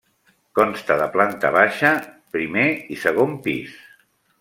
Consta de planta baixa, primer i segon pis.